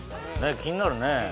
気になるね。